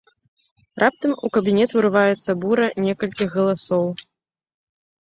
Раптам у кабінет урываецца бура некалькіх галасоў.